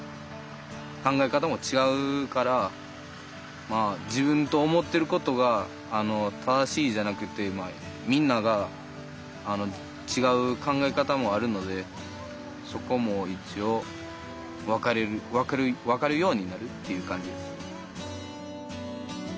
考え方も違うから自分と思ってることが正しいじゃなくてみんなが違う考え方もあるのでそこも一応分かるようになるっていう感じです。